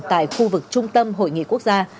tại khu vực trung tâm hội nghị quốc gia